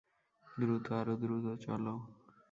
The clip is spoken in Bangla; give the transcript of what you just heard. দ্রুত, আরো দ্রুত চলো।